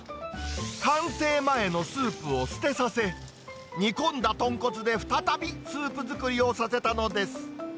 完成前のスープを捨てさせ、煮込んだとんこつで再びスープ作りをさせたのです。